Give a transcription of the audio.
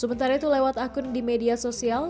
sementara itu lewat akun di media sosial